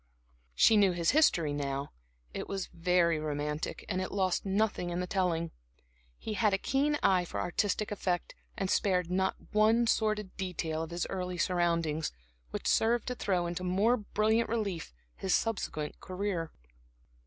She knew his history, now. It was very romantic, and it lost nothing in the telling. He had a keen eye for artistic effect, and spared not one sordid detail of his early surroundings which served to throw into more brilliant relief his subsequent career.